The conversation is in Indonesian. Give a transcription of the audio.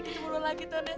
gitu mulu lagi tonet